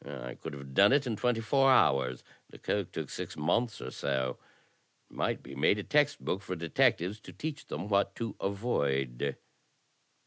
I could have done it in twenty four hours. Lecoq took six months or so. It might be made a text book for detectives to teach them what to avoid."